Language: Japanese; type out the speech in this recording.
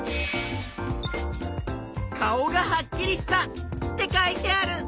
「顔がはっきりした」って書いてある！